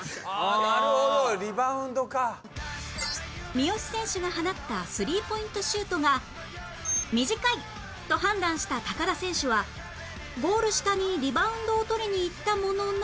三好選手が放ったスリーポイントシュートが短いと判断した田選手はゴール下にリバウンドを取りに行ったものの